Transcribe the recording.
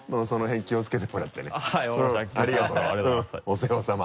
お世話さま。